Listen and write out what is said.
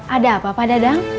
ada apa pak dadang